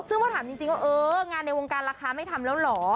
เอ้งานในวงการราคาไม่ทำแล้วเหรอ